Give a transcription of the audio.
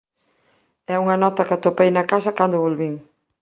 É unha nota que atopei en casa cando volvín.